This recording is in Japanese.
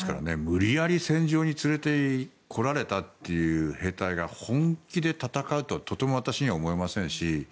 無理やり戦場に連れてこられたという兵隊が本気で戦うとはとても私には思えませんし。